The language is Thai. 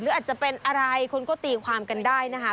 อาจจะเป็นอะไรคนก็ตีความกันได้นะคะ